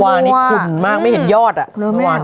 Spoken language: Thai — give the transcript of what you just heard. วันนี้ขุ่นมากไม่เห็นยอดอะ